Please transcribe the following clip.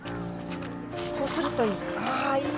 こうするといい。